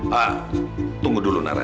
pak tunggu dulu nara